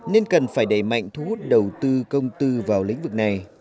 nên cần phải đẩy mạnh thu hút đầu tư công tư vào lĩnh vực này